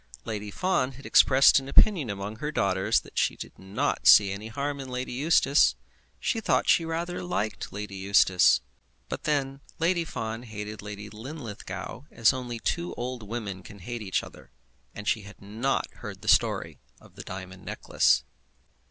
Lady Fawn had expressed an opinion among her daughters that she did not see any harm in Lady Eustace. She thought that she rather liked Lady Eustace. But then Lady Fawn hated Lady Linlithgow as only two old women can hate each other; and she had not heard the story of the diamond necklace.